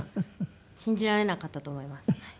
信じられなかったと思います。